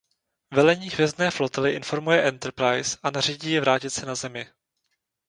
Velení Hvězdné flotily informuje Enterprise a nařídí ji vrátit se na Zemi.